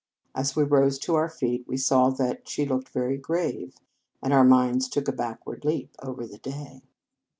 As we rose to our feet, we saw that she looked very grave, and our minds took a backward leap over the day.